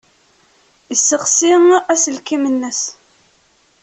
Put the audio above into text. Yesseɣsi aselkim-nnes.